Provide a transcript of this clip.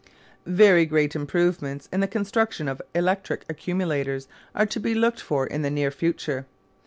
Very great improvements in the construction of electric accumulators are to be looked for in the near future.